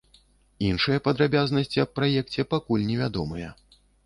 Іншыя падрабязнасці аб праекце пакуль невядомыя.